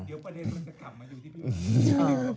เดี๋ยวประเด็นมันจะกลับมาดูที่พี่